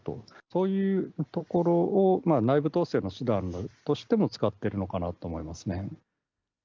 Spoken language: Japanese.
そういう所を、内部統制の手段としても使っているのかなと思いますね。